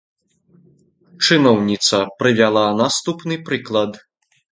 Чыноўніца прывяла наступны прыклад.